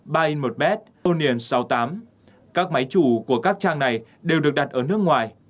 buy in một bed onion sáu mươi tám các máy chủ của các trang này đều được đặt ở nước ngoài